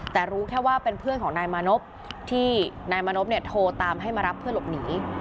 แต่รู้แค่ว่าเป็นเพื่อนของนายมานพที่นายมานพโทรตามให้มารับเพื่อหลบหนี